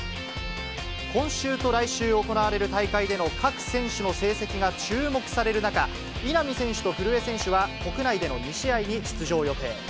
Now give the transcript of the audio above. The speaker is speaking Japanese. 今週と来週行われる大会での各選手の成績が注目される中、稲見選手と古江選手は、国内での２試合に出場予定。